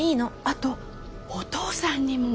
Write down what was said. あとお父さんにも。